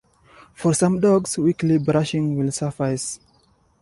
For some dogs, weekly brushing will suffice.